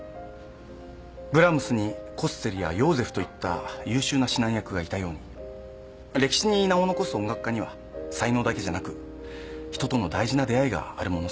ブラームスにコッセルやヨーゼフといった優秀な指南役がいたように歴史に名を残す音楽家には才能だけじゃなく人との大事な出会いがあるものさ。